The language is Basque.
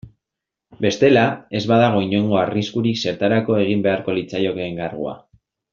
Bestela, ez badago inongo arriskurik zertarako egin beharko litzaioke enkargua.